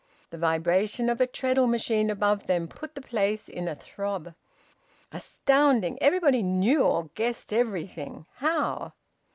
The vibration of a treadle machine above them put the place in a throb. Astounding! Everybody knew or guessed everything! How?